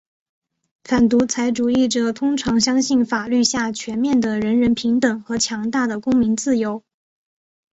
反独裁主义者通常相信法律下全面的人人平等的和强大的公民自由。